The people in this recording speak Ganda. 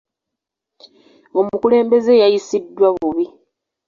Omukulembeze yayisiddwa bubi.